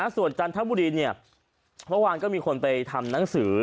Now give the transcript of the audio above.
ส่วนจันทบุรีเนี่ยเมื่อวานก็มีคนไปทำหนังสือ